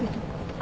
あ。